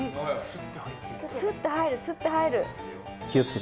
スッて入るスッて入る。